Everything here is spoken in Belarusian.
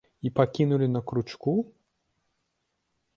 І пакінулі на кручку?